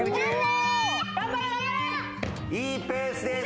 いいペースです。